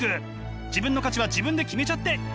自分の価値は自分で決めちゃっていいんです！